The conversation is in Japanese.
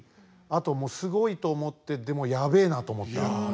あともうすごいと思ってでもやべえなと思った。